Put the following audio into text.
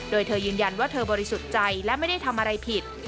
โดยเธอยืนยันว่าเธอบริสุทธิ์ใจและไม่ได้ทำอะไรผิด